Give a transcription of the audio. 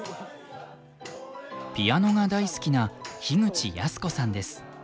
ピアノが大好きな口泰子さんです。